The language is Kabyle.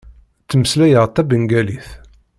Ttmeslayeɣ tabengalit.